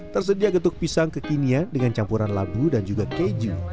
tersedia getuk pisang kekinian dengan campuran labu dan juga keju